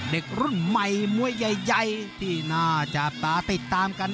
เด็กรุ่นใหม่มวยใหญ่ที่น่าจับตาติดตามกัน